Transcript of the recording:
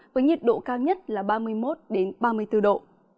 với nhiệt độ cao nhất là ba mươi một ba mươi bốn độ